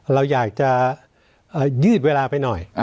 เราอยากจะยืดเวลาไปหน่อย